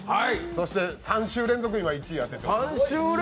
そして３週連続、今、１位当ててます。